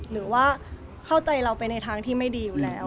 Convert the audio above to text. หรือว่าเข้าใจเราไปในทางที่ไม่ดีอยู่แล้ว